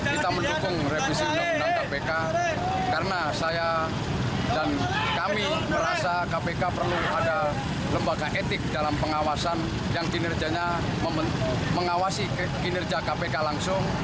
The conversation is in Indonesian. kita mendukung revisi undang undang kpk karena saya dan kami merasa kpk perlu ada lembaga etik dalam pengawasan yang kinerjanya mengawasi kinerja kpk langsung